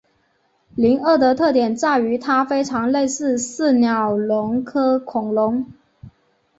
灵鳄的特点在于它非常类似似鸟龙科恐龙。